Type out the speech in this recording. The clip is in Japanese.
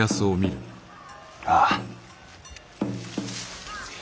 ああ。